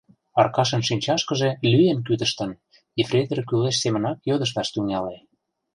Аркашын шинчашкыже лӱен кӱтыштын, ефрейтор кӱлеш семынак йодышташ тӱҥале.